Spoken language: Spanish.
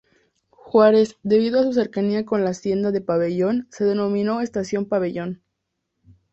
Juárez, debido a su cercanía con la Hacienda de Pabellón, se denominó Estación Pabellón.